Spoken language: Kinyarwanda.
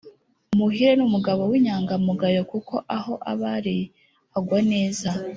Muhire n’umugabo w’inyangamugayo kuko aho abari agwa neza